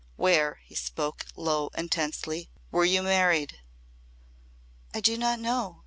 "Where," he spoke low and tensely, "were you married?" "I do not know.